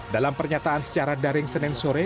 dalam pernyataan secara daring senin sore